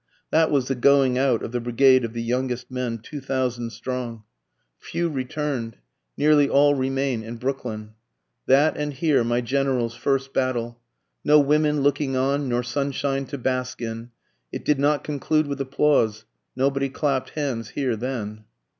That was the going out of the brigade of the youngest men, two thousand strong, Few return'd, nearly all remain in Brooklyn. That and here my General's first battle, No women looking on nor sunshine to bask in, it did not conclude with applause, Nobody clapp'd hands here then.